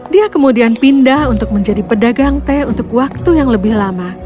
dia kemudian pindah untuk menjadi pedagang teh untuk waktu yang lebih lama